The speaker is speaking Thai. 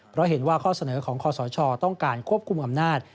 เพราะเห็นว่าข้อเสนอของคอสชต้องการควบคุมอำนาจ